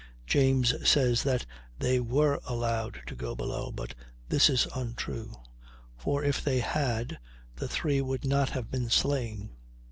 James says that they were allowed to go below, but this is untrue; for if they had, the three would not have been slain.